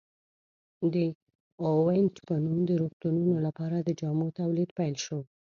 د اوینټ په نوم د روغتونونو لپاره د جامو تولید پیل شو.